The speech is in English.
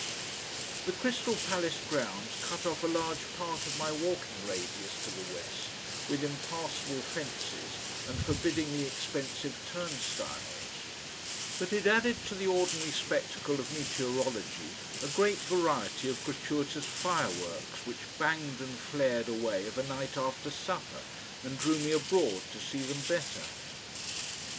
The Crystal Palace grounds cut off a large part of my walking radius to the west with impassable fences and forbiddingly expensive turnstiles, but it added to the ordinary spectacle of meteorology a great variety of gratuitous fireworks which banged and flared away of a night after supper and drew me abroad to see them better.